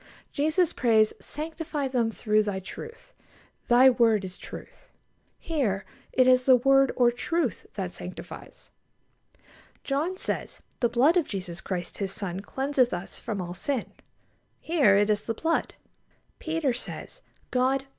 Jesus prays: "Sanctify them through Thy truth: Thy word is truth." Here it is the word, or truth, that sanctifies. John says: "The blood of Jesus Christ His Son cleanseth us from all sin." Here it is the blood. Peter says: "God...